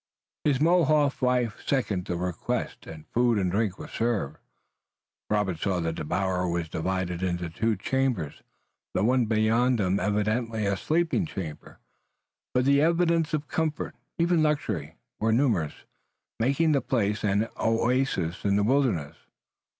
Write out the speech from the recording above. His Mohawk wife seconded the request and food and drink were served. Robert saw that the bower was divided into two rooms the one beyond them evidently being a sleeping chamber, but the evidences of comfort, even luxury, were numerous, making the place an oasis in the wilderness.